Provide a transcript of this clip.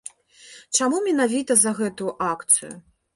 Чаму менавіта за гэтую акцыю?